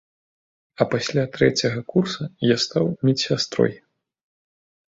А пасля трэцяга курса я стаў медсястрой.